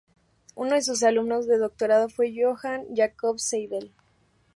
Uno de sus alumnos de doctorado fue Johan Jacob Seidel.